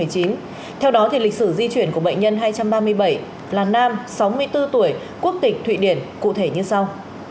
câu chuyện của bệnh nhân hai trăm ba mươi bảy là nam sáu mươi bốn tuổi quốc tịch thụy điển cụ thể như sau